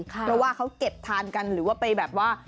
เพราะว่าเขาเก็บทานกันหรือว่าไปแบบว่า